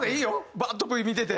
バーッとＶ見てて。